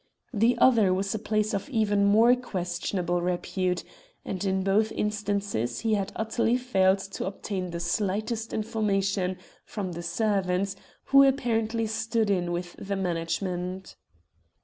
The other was a place of even more questionable repute, and in both instances he had utterly failed to obtain the slightest information from the servants, who apparently "stood in" with the management.